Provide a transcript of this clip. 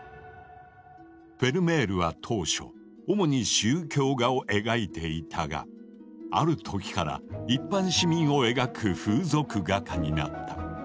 フェルメールは当初主に宗教画を描いていたがある時から一般市民を描く「風俗画家」になった。